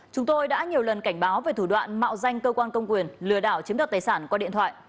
chúng tôi đã nhiều lần cảnh báo về thủ đoạn mạo danh cơ quan công quyền lừa đảo chiếm đoạt tài sản qua điện thoại